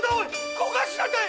小頭だい！